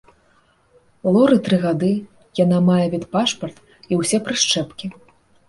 Лоры тры гады, яна мае ветпашпарт і ўсе прышчэпкі.